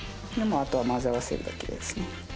あとは、まぜ合わせるだけです。